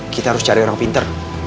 kita harus cari orang pinter